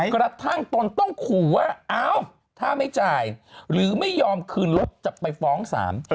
กระทั่งตนต้องขู่ว่าอ้าวถ้าไม่จ่ายหรือไม่ยอมคืนรถจะไปฟ้องศาล